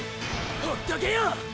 ほっとけよ！